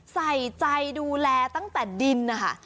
ใส่ใจดูแลตั้งแต่ดินนะคะ